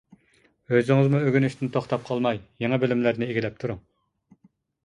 ئۆزىڭىزمۇ ئۆگىنىشتىن توختاپ قالماي، يېڭى بىلىملەرنى ئىگىلەپ تۇرۇڭ.